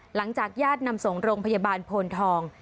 หลังจากญาตินำส่งโรงพยาบาลโพนทอง